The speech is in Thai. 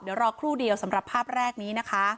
เดี๋ยวรอครู่เดียวสำหรับภาพแรกนี้นะคะ